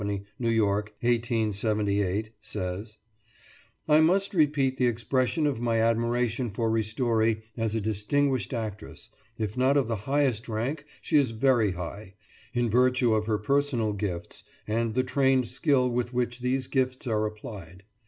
New York, 1878, says: "I must repeat the expression of my admiration for Ristori as a distinguished actress; if not of the highest rank, she is very high, in virtue of her personal gifts, and the trained skill with which these gifts are applied.